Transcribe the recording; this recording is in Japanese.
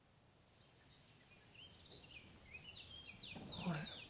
あれ？